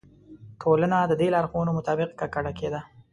ټولنه د دې لارښوونو مطابق ککړه کېده.